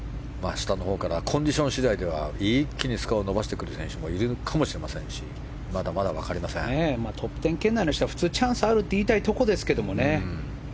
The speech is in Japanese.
コンディション次第では下のほうから一気にスコアを伸ばしてくる選手もいるかもしれませんしトップ１０圏内の人は普通、チャンスがあるといいたいところですが。